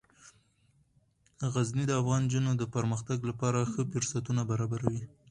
غزني د افغان نجونو د پرمختګ لپاره ښه فرصتونه برابروي.